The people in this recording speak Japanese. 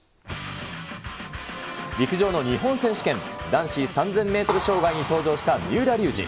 陸上の日本選手権、男子３０００メートル障害に登場した三浦龍司。